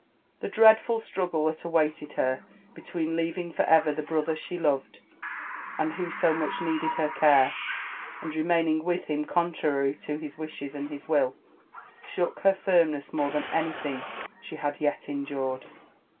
The flrpadfu) struggle th^t awaif^d her, betwppp leaving fpr pvei: the bro ther $he 30 loved and wbp so ipucb nt'eded her care, aod ri^maioiog Tifiih him CQQlr^ry |p his wishes and bis will, shook her firmnesa more than anything sbpb^d yet Qpdured.